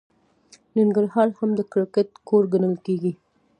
ننګرهار هم د کرکټ کور ګڼل کیږي.